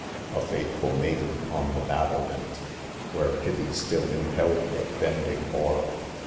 11 A faithful maiden on the battlement, â– Where pity still impelled her, bending o'er.